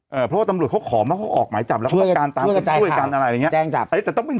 เพราะว่าตำรวจเขาขอมาเขาออกหมายจับแล้วก็ช่วยกันอะไรอย่างนี้